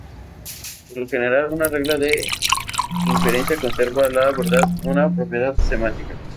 Por lo general, una regla de inferencia conserva la verdad, una propiedad semántica.